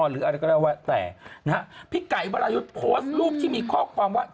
หรืออะไรก็แล้วแต่นะฮะพี่ไก่วรายุทธ์โพสต์รูปที่มีข้อความว่า